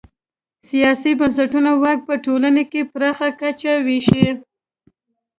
سیاسي بنسټونه واک په ټولنه کې پراخه کچه وېشي.